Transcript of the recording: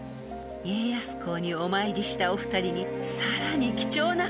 ［家康公にお参りしたお二人にさらに貴重な光景が！］